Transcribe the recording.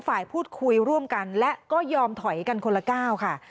ฝ่ายพูดคุยร่วมกันและก็ยอมถอยกันคนละก้าวค่ะ